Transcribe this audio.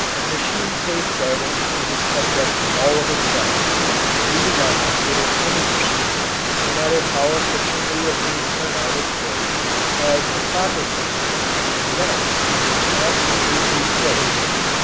Machine safeguarding is a subject all of itself. We do not consider any machine no matter how efficiently it may turn out its work as a proper machine unless it is absolutely safe.